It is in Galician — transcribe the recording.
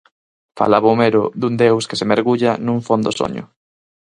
Falaba Homero dun deus que se mergulla nun fondo soño.